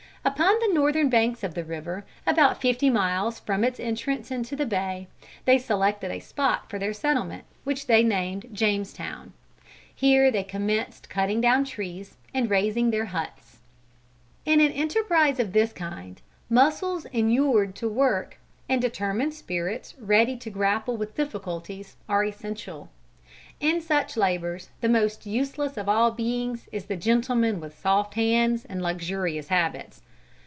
Upon the northern banks of the river, about fifty miles from its entrance into the bay, they selected a spot for their settlement, which they named Jamestown. Here they commenced cutting down trees and raising their huts. In an enterprise of this kind, muscles inured to work and determined spirits ready to grapple with difficulties, are essential. In such labors, the most useless of all beings is the gentleman with soft hands and luxurious habits.